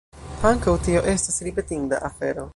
Ankaŭ tio estas ripetinda afero!